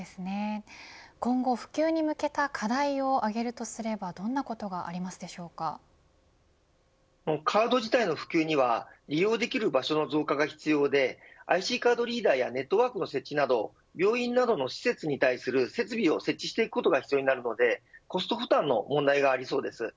今後、普及に向けた課題を挙げるとすればカード自体の普及には利用できる場所の増加が必要でＩＣカードリーダーやネットワークの設置など病院などの施設に対する設備を設置していくことが必要になるのでコスト負担の問題がありそうです。